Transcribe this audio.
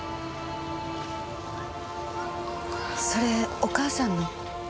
それお母さんの。